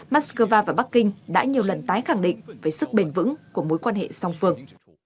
moscow và bắc kinh đã nhiều lần tái khẳng định với sức bền vững của mối quan hệ song phương